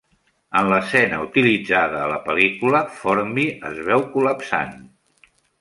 En l'escena utilitzada a la pel·lícula, Formby es veu col·lapsant.